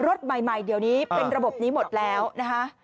รถใหม่เดี๋ยวนี้เป็นระบบนี้หมดแล้วนะคะ